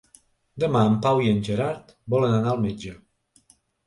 Demà en Pau i en Gerard volen anar al metge.